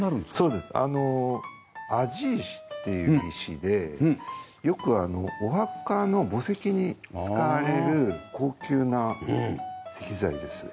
庵治石っていう石でよくお墓の墓石に使われる高級な石材です。